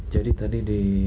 jadi tadi di